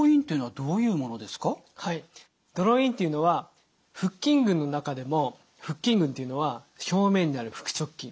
はいドローインっていうのは腹筋群の中でも腹筋群というのは表面にある腹直筋。